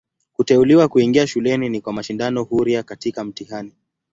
Kuteuliwa kuingia shuleni ni kwa mashindano huria katika mtihani.